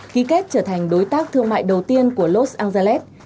ký kết trở thành đối tác thương mại đầu tiên của los angelalet